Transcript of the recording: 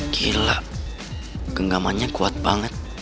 gila genggamannya kuat banget